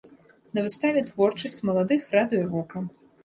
На выставе творчасць маладых радуе вока.